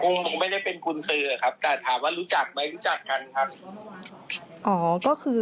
คงไม่ได้เป็นคุณซื้อครับแต่ถามว่ารู้จักไหมรู้จักกันครับ